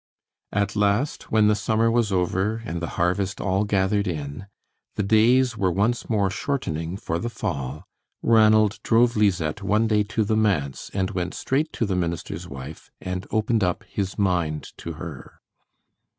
At last, when the summer was over, and the harvest all gathered in, the days were once more shortening for the fall, Ranald drove Lisette one day to the manse, and went straight to the minister's wife and opened up his mind to her.